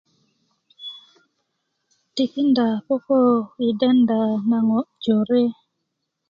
tikinda koko i denda na ŋo jore